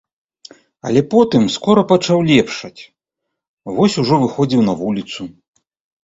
Але потым скора пачаў лепшаць, вось ужо выходзіў на вуліцу.